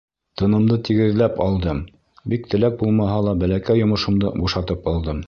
Тынымды тигеҙләп алдым, бик теләк булмаһа ла бәләкәй йомошомдо бушатып алдым.